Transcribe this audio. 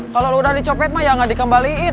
kalau lu udah dicopet mah ya gak dikembaliin